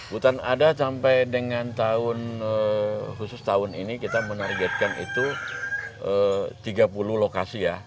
hutan adat sampai dengan tahun khusus tahun ini kita menargetkan itu tiga puluh lokasi ya